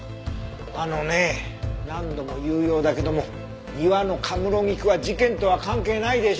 あのねえ何度も言うようだけども庭の神室菊は事件とは関係ないでしょ？